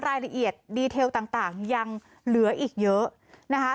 รายละเอียดดีเทลต่างยังเหลืออีกเยอะนะคะ